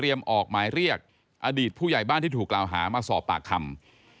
เรียกออกที่เรียกอดีตผู้ใหญ่บ้านที่ถูกเลาหามาสอบปากคำ